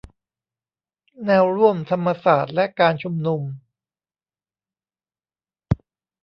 แนวร่วมธรรมศาสตร์และการชุมนุม